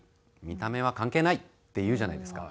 見た目は関係ない」って言うじゃないですか。